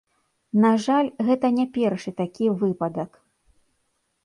На жаль, гэта не першы такі выпадак.